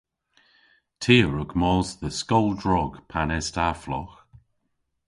Ty a wrug mos dhe skol drog pan es ta flogh.